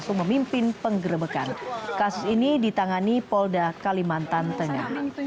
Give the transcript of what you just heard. sampai jumpa di video selanjutnya